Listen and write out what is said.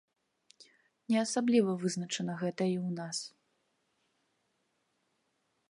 Не асабліва вызначана гэта і ў нас.